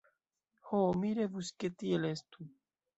Ho, mi revus, ke tiel estu!